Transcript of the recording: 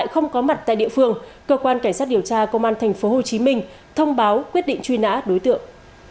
không có mặt tại địa phương cơ quan cảnh sát điều tra công an tp hcm thông báo quyết định truy nã đối tượng